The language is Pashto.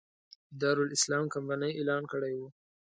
دارالسلام کمپنۍ اعلان کړی و.